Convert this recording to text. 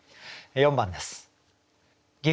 ４番です。